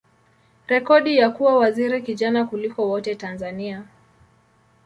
rekodi ya kuwa waziri kijana kuliko wote Tanzania.